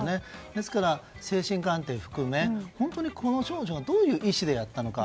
ですから、精神鑑定を含め本当にこの少女はどういう意思でやったのか。